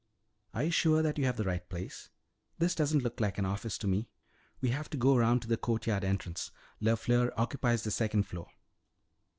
"Are you sure that you have the right place? This doesn't look like an office to me." "We have to go around to the courtyard entrance. LeFleur occupies the second floor."